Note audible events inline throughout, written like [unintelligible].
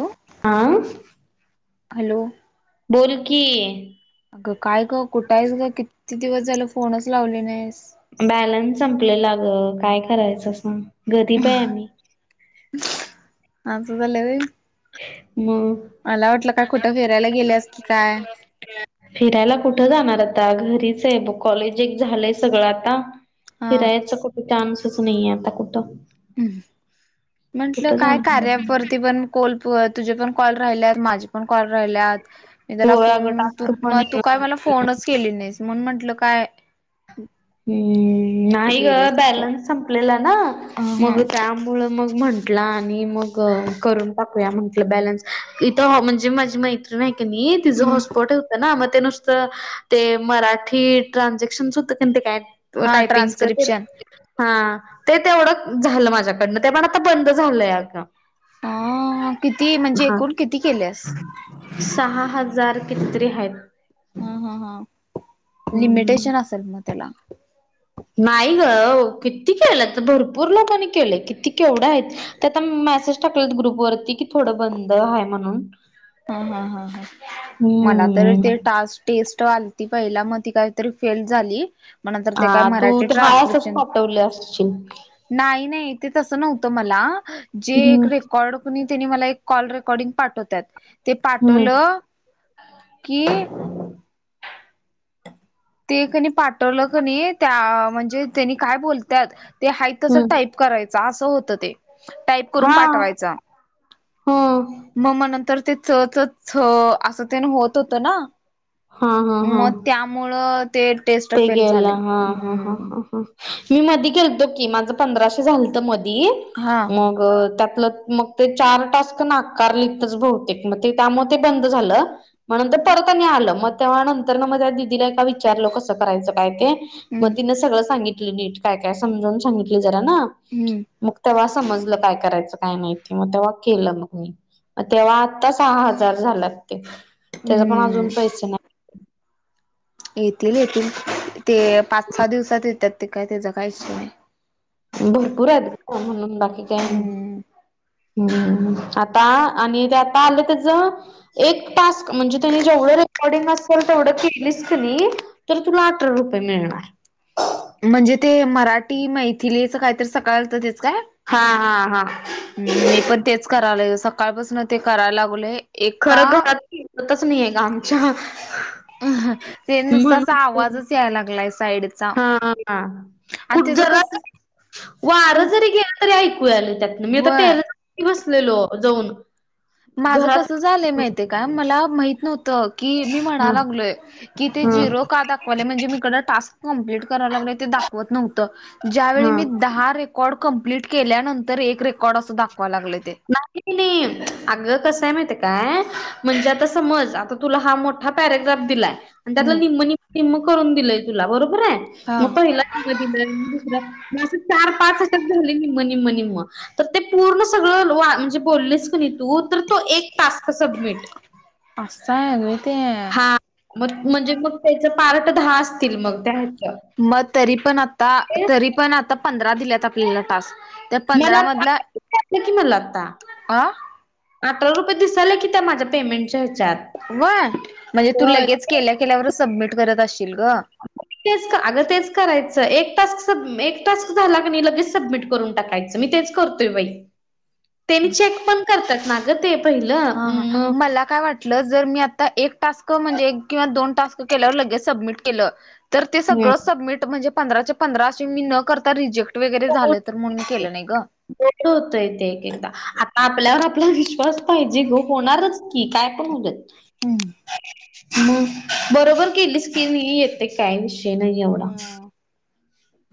हो ह हॅलो बोल की अगं काय ग कुठं आहेस ग किती दिवस झाल फोनच लावले नाहीस. बॅलन्स संपले लाग काय करायचं सांग गरी प आहे आम्ही हा असं झाले र मग मला वाटलं काय कुठं फिरायला गेल्यास की काय? फिरायला कुठं जाणार आता घरीच आहे ब कॉलेज एक झालंय सगळं आता. हा. फिरायचा कुठे चान्सच नाहीये आता कुठं. ह् म्हटलं कुठं काय जाणार कार्यावरती पण कोल तुझे पण कॉल राहिले माझे पण कॉल राहिलेत. मी त्याला होय अगं फोन तू टास्क पण म तू काय येणार मला फोनच केले नाहीस म्हण म्हटलं काय हम् कुठे नाही ग गेलेस की काय बॅलन्स संपलेला ना ह हा मग त्यामुळ मग म्हण. आणि मग करून टाकूया म्हंटलं बॅलन्स इथ म्हणजे माझी मैत्री ति हम्म हपट होत ना मग ते नुसत ते मराठी ट्र काय हा टायपिंग ट्रान्स्क्रिप्शन हा ते तेवढं झालं माझ्याकडनं ते पण आता बंद झालंय आता. अ किती म्हणजे एकूण किती केलेस. सहा हजार कितीरी आहेत. हम ह हा हम्म लिमिटेशन असेल मग त्याला नाही ग किती केलं तर भरपूर लोकांनी केलं किती केवढं आहेत. तर आता मेसेज टाकले ग्रुपवररती की थोडं बंद आहे म्हणून ह ह ह ह मला तर ते हम्म टास्क टेस्ट त पहिला मग त काहीतरी फेल झाली. म नंतर ते काय हा तू मराठी तर हाय असंच ट्रान्स्क्रिप्शन पाठवले असशील नाही नाही ते तस नव्हत मला जे हम्म रेकॉर्ड नी मला एक कॉल रेकॉर्डिंग पाठवतात ते हम्म पाठवलं की ते कणी पाठवलं कणी त्या म्हणजे त्यांनी काय बोलतात ते हा तसं हम्म टाईप करायचं असं होत ते टाईप करून हा पाठवायचं. ह मग मग नंतर ते च च च असं ते होत होतं ना. हा हा मग हा त्यामुळ ते टेस्ट ते फेल गेला झाले हा हा हा ह्. ह मी मधी केलतो की माझं पंधराशे झालं तर मधी हा मग अ त्यातलं मग ते चार टास्क नाकारलीतच बहुतेक मग ते त्यामुळे ते बंद झालं. मग नंतर परत आणि आलं मग तेव्हा नंतर ना मग त्या दिदीला का विचारलं कसं करायचं काय ते. मग हम्म तिनं सगळं सांगितलं नीट काय काय समजवून सांगितलं. जरा हम्म मग तेव्हा समजलं काय करायचं. काय नाही ते मग तेव्हा केलं मग मी मग तेव्हा आत्ता सहा हजार झालात ते तेज पण अजून हम्म पैस ना येतील येतील ते पाच सहा दिवसात येतात ते काय त्याचं काहीच नाही. भरपूर आहेत का म्हणून बाकी काय नाही. हम्म ह् आता आणि ते आता आले त्याच एक टास्क म्हणजे त्यांनी जेवढं रेकॉर्डिंग असेल तेवढं केलीच कनी तर तुला अठरा रुपये मिळणार. म्हणजे ते मराठी मैथिलीचं काहीत सकाळ तर तेच काय? हा हा हा हम्म मी पण तेच करायला सकाळपासून ते करायला लागले. एका तिस नाही गआमच्या म्हनून तर. च्या लागलाय साइड. हा कुठ झाला कस [unintelligible] वार जरी गेलं तरी ऐकूयाले त्यातन मी तर व्हय टेरेस वरती बसलेलो जाऊन. माझं घरात कसं झालंय माहिते काय मला माहित नव्हतं की मी म्हणा हा लागलोय. कि ते हा झिरो का दाखवाले म्हणजे मी ईकडं टास्क कमप्लीट कराव लागलं ते दाखवत नव्हतं. ज्यावेळी हा मी दहा रेकॉर्ड कम्प्लीट केल्यानंतर एक रेकॉर्ड असं दाखवा लागलं ते. [inaudible] आगं कसय माहित काय म्हणजे आता समज आता तुला हा मोठा पॅरेग्राफ दिलाय. आणि त्यातलं हम्म निम्म, निम्म, निम्म करून दिलय तुला बरोबर आहे हा मग पहिला. स [unintelligible] अस चार पाच अ झाले नि निम्म निम्म तर ते पूर्ण सगळं वा म्हणजे बोललेस क नाही तू तर तो एक टास्क सबमिट. असाय व्हय ते. आ म म्हणजे मग त्याच पार्ट दाहा आस. म तरी पण आता तरी पण आ पंधरा दिल्यात आपल्याला टास्क त्यात [unintelligible] मला आता. अ अठरा रुपये दिसाल की त्या माझ्या पेमेंटच्या ह्याच्यात. व्हय म्हणजे तू होय लगेच ते केल्या केल्यावर सबमिट करत अशील ग. ते क अग तेच करायचं, एक टास्क सबमी एक टास्क झाला लगेच सबमिट करून टाकायच. मी तेच करतोय बाई. [inaudible] ते नी चेक पण करतात ना ग ते पहिलं म [unintelligible] ला काय वाट टल जर मी आता एक टास्क म्हणजे किवा दोन टास्क केल्यावर लगे सबमिट केलं. तर ते हम्म. सगळं सबमिट म्हणजे पंधराच्या पंधरा असे मी न, करता रिजेक्ट ट वगैरे झालं तर म्हणून केलं नाही ग. [unintelligible] बर होतय ते एक एकदा आता आपल्यावर आपला विश्वास पाहिजे गो होणारच की काय पण हुदेत. हम्म. मग बरोबर केलीच की मी येते काही विषय नाही एवढा. हो [inaudible]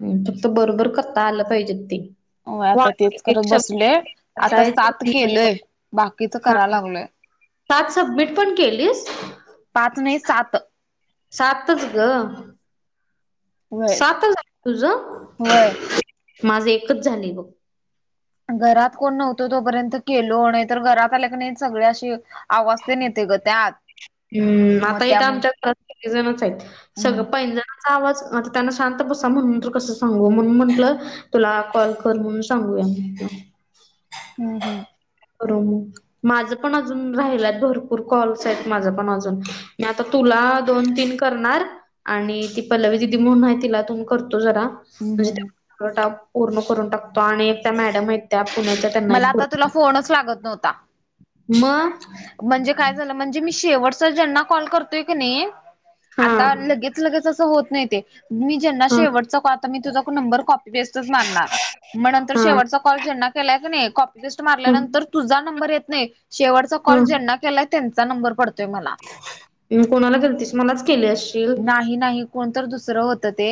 हम्म फक्त बरोबर करता आलं पाहिजेत ते. होय आता तेच करत बसलोय शब्द आता सात केलंय बाकीच हा करा [inaudible] लागलोय. पाच सबमिट पण केलीस. पाच नाही सात. सातज गं. व्हय सात झालेय व्हय. तुझ माझ एकच झाले बघ. घरात कोण नव्हतो तोपर्यंत केलो, नाही तर घरात आल्या की नाही सगळे अशे आवाज नेते ग त्यात. हम्म, मग आता इथ त्यामुळं आमच्या घरात सगळे जणच हायत हम्म सगळं पैजणचा आवाज, त्यांना शांत बसा म्हणून कस सांगू म्हणून म्हटलं तुला कॉल कर म्हणून सांगूया म्हटल. हम्म हम्म. [unintelligible] करू मु माझ पण अजून राहिलात भरपूर कॉल्स आहेत माझ. पणअजून मी आंता. तुला दोन, तीन करणार आणि ती पल्लवी दिदी म्हणून आहे तिला तून करतो जरा. हम्म [unintelligible] म्हणजे हम्म. त्या पूर्ण करून टाकतो आणि त्या मॅडम आहेत त्या पुण्याच्या त्यांना एक पूर्ण फोणच लागत नव्हता. म म्हणजे काय झालं म्हणजे मी शेवटचा ज्यांना कॉल करतोय की नी, हा आता लगेच. लगेच असं होत नाही ते, मी ज्यांना हा शेवटचा कॉ आता मी तुझा नंबर कॉपी पेस्टच मानणार. मग नंतर हा. शेवटचा कॉल ज्यांना केला की नी, कॉपी पेस्ट मारल्या ह नंतर तुझा नंबर येत नाही, शेवटच कॉल ज्यांना केला त्यांना त्यांचा नंबर पडतो. मी कोणाला गेलतीस, मलाच केले असशील. ही नाही कोणतर दुसरं होत ते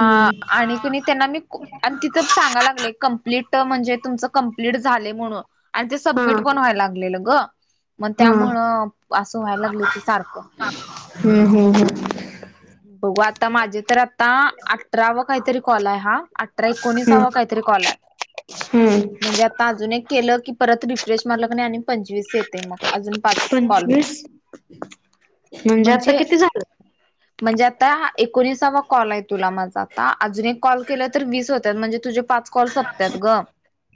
हम्म की नी त्यांना मी आणि तिथं सांगा लागलंय कंप्लीट म्हणजे तुमचं कंप्लीट झाले म्हणून. आणि ते हा सबमिट पण व्हायला लागलेलं ग. मग हा त्यामुळं असं व्हायला लागले ते सारख. हम्म हम्म हम्म बघू आता माझे तर आ आता अठरावा काहीतरी कॉल आहे हा, अठरा एकोणीसावा काहीतरी कॉल आहे. हम्म म्हणजे आता अजून एक केलं की परत रिफ्रेश मारल की नाही आणि पंचवीस येते मग अजून पाच कॉल मग पंचवीस? म्हणजे आता किती झालं. [inaudible] म्हणजे आता एकोणसावा कॉल आहे तुला माझा आता, अजून एक कॉल केला तर वीस होतात म्हणजे तुझे पाच कॉल सोपत्याात ग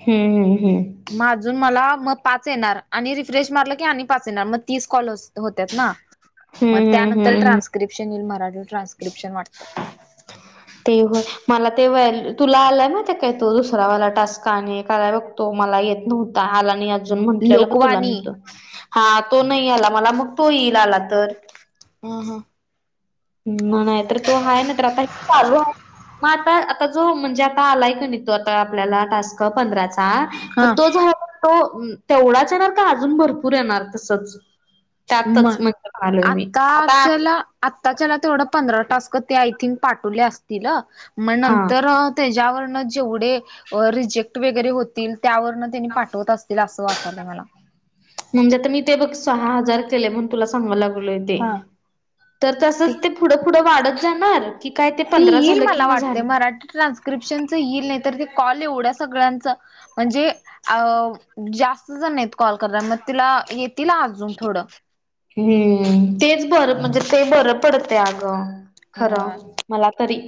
हम्म हम्म मग अजून मला मग पाच येणार आणि रिफ्रेश मारलं की आणि पाच येणार मग तीस कॉलस होत्या ना मग हम्म हम्म हम्म त्यानंतर हम्म हम्म ट्रान्स्क्रिप्शन येईल मराठी ट्रान्स्क्रिप्शन वाटतं. ते होय मला ते व तुला आलाय मा ते काही तो दुसरावाला टास्काने काय ब तो मला येत नव्हता हला आणि म्हट तुला मी लोकवाणी तो हा तो नाही आला मला मग तो येईल आला तर ह हां. म नाही तर तो आहे, त्याला [unintelligible] मग आता, आता जो म्हणजे आता आलाय की नी तो आता आपल्याला टास्क. पंधराचा, मग हा तो झाला तो तेवढाच येणार का अजून भरपूर येणार तसच. म, त्यातच म्हणजे म्हणालोय मी आता आताच्याला. आत्ताच्याला तेवढं पंधरा टास्क ते आय थिंक पाठवले असतील हा मग हा नंतर. त्याच्यावरन जेवढे रिजेक्ट वगैरे होतील त्यावरंन त्यांनी पाठवत असतील असं वाटलंय मला म्हणजे ते मी ते बघ सहा हजार केले म्हणून तुला सांगा लागलोय ते हा तर तसंच ते पुढं पुुढं वाढत जाणार. की काय ते ती पंधरा येईल झालं कि मला मग वाटते, झालं? मराठी ट्रान्स्क्रिप्शनचं येईल नाही तर ते कॉल एवढ्या सगळ्यांच म्हणजे अ जास्त झनएत कॉल करणार मग तिला येतील अजून थोडं. हम्म, तेच बरं म्हणजे ते बरं पडते अगं खरं. अ मला तरी.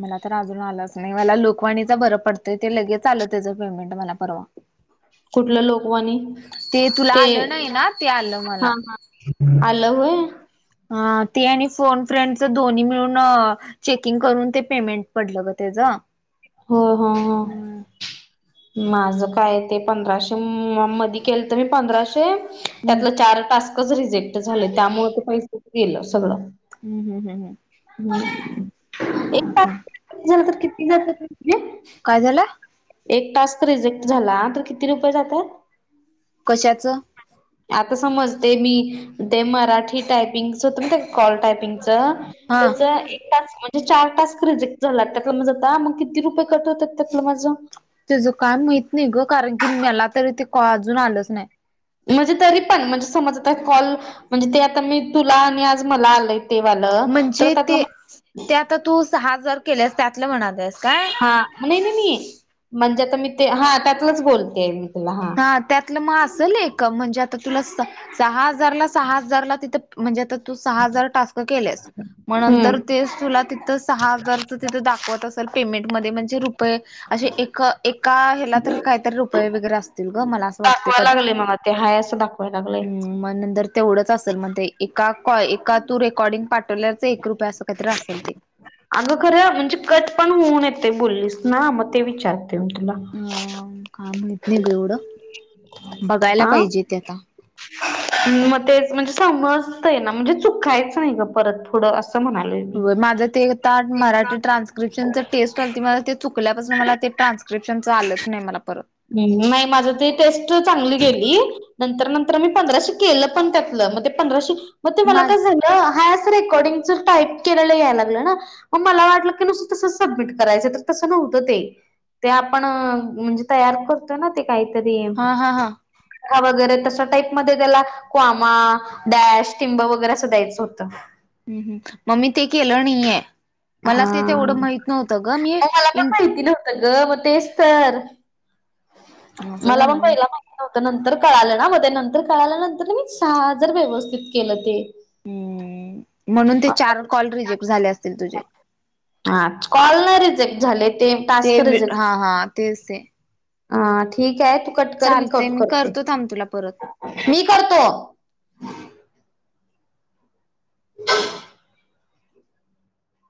मला तर अजून आलाच नाही मला लोकवाणीच बरं पडतंय ते लगेच आलं त्याचं पेमेंट मला परवा कुठलं लोकवानी तुला ते आलं नाही ना ते आलं हा मला ह आलं होय. हा ते आणि फोन फ्रेंडच दोन्ही मिळून. चेकिंग करून ते पेमेंट पडलं ग तेच हो हो ह. माझ काय ते पंधराशे मध्ये केलं तर मी पंधराशे हम्म त्यातलं चार टास्कच रिजेक्ट झालं त्यामुळे ते पैसेच गेलं सगळं. हम्म हम्म हम् हम्. झालं तर किती जात म्हणजे. काय झालं? एक तास्क रिजेक्ट झाला तर किती रुपये जातात. कशाचं. आता समज ते मी ते मराठी टायपिंगच होत ते कॉल टायपिंग त्याच. हा टास्क म्हणजे चार टास्क रिजेक्ट झाला त्यातलं आता, मग किती रुपये कट होतात त्यातलं माझं? त्याज काय माहित नाही ग, कारण की मला तरी ते अजून आलंच नाही. म्हणजे तरी पण म्हणजे समज आता, कॉल म्हणजे ते आता मी तुला आणि आज मला आलय तें वाल, तर त्यातल म तर तू सहा हजार केल्यास, त्यातलं म्हणालेस का? हा नहीं-नहि म्हणजे आता मी ते, हा त्यातलंच बोलते मी तुला हा. हा त्यातलं मग असंल एक, म्हणजे आता तुला सहा हजारला, सहा हजारला तिथं म्हणजे आता तू सहा हजार टास्क केलेस, म हम्म नंतर तेच तुला तिथं सहा हजारच तिथ दाखवत असल, पेमेंटमध्ये म्हणजे रू पये, असे एक-एका ह्याला तर काहीतरी रुपये वगैरे असत दाखवायला लागलेय मला ते हाय असं दाखवाया लागलंय. हम्म मग नंतर तेवढंच असेल मग ते, एका कॉ एका तू रेकॉर्डिंग पाठवल्याच एक रुपये अस एकत्र असल ते. अगं खरं म्हणजे कट पण होऊ नये ते बोललीस ना, मग ते विचारते म तुला. हं, का, माहित नहीं ग एवढं. बघायला आं? पाहिजे ते आता मग तेच म्हणजे समजतय ना, म्हणजे चुकायचं नाही ग परत पूडं अस. हो माझं ते ता मराठी ट्रान्स्क्रिप्शनच टेस्ट आल्ती माज चुकल्यापासून मला ते ट्रान् स्क्रिप्शनच आलंच नाही मला परत. नाही माझ ते टेस्टच चागंली गेली, नंतर-नंतर मी पंधराशे केलं पण त्यातल, म ते पंदराशे मग ते मला माझ काय झ हा अस रेकॉर्डिंगच टाईप केलेलं याय लागलं ना. मग मला वाटलं की नुसत तसंच सबमिट करायचं, तर तसं नव्हतं ते. ते आपण, म्हणजे तयार करतोय ना ते काहीतरी. हा हा हा. वगैरे तशा टाईप मध्ये त्याला कोमा डॅश, टिंब वगैरे अस द्यायचं होतं. ह्म ह्म मग मी ते केलं नाहीये, हा. मला ते तेवढं माहित नव्हतं ग मी इन त ग मग तेच तर, असं मला झालं पण व्हय पहिला माहि त नंतर कळालं ना, मग त्या नंतर कळाल्या नंतर मी सहा हजर व्यवस्थित केलं ते. हम् म्हणून ते चार कॉल रिजेक्ट झाले असतील तुझे. हा कॉल नाय रिजेक्ट झाले ते ते टास्क वी, हा हा तेच ते. ह ठीक आहे, तू कट कर, मी चालतंय कट करते, करतो थांब तुला परत. मी करतो. ह [unintelligible]